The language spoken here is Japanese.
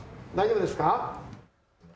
大丈夫です。